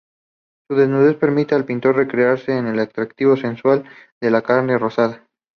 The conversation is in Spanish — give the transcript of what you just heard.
Su desnudez permite al pintor recrearse en el atractivo sensual de la carne rosada.